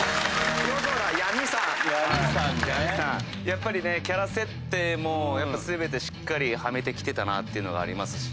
やっぱりねキャラ設定も全てしっかりはめてきてたなっていうのがありますし。